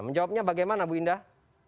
menjawabnya bagaimana bu indah